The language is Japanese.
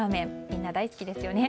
みんな大好きですよね。